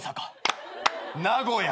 名古屋。